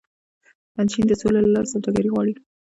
چین د سولې له لارې سوداګري غواړي.